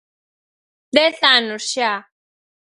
Dez anos xa.